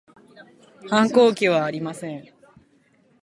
反抗期はありません